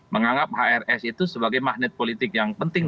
menganggap hrs itu sebagai magnet politik yang penting